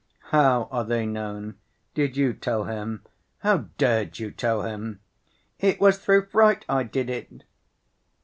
"How are they known? Did you tell him? How dared you tell him?" "It was through fright I did it.